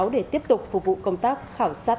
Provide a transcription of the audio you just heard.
để tiếp tục phục vụ công tác khảo sát